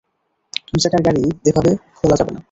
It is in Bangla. দুই-চাকার গাড়ি এভাবে খোলা যাবে না।